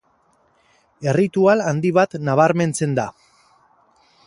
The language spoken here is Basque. Erritual handi bat nabarmentzen da.